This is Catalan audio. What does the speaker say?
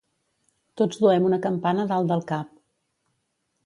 Tots duem una campana dalt del cap.